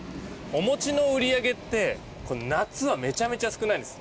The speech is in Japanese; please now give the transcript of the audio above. おもちの売り上げって夏はめちゃめちゃ少ないんです。